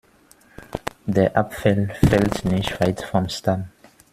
Der Apfel fällt nicht weit vom Stamm.